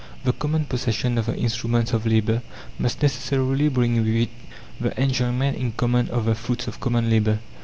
The common possession of the instruments of labour must necessarily bring with it the enjoyment in common of the fruits of common labour.